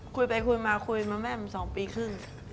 คุยไปคุยมาคุยมาแม่มัน๒ปีครึ่ง